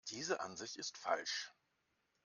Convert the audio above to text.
Diese Ansicht ist falsch.